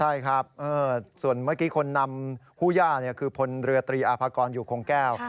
ใช่ครับส่วนเมื่อกี้คนนำผู้ย่าคือพลเรือตรีอาภากรอยู่คงแก้ว